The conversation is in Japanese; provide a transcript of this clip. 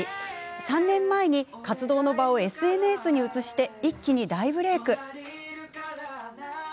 ３年前に活動の場をＳＮＳに移して一気に大ブレーク。